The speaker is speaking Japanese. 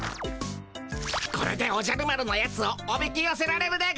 これでおじゃる丸のやつをおびきよせられるでゴンス。